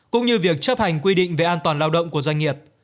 cũng như việc chấp hành quy định về an toàn lao động của doanh nghiệp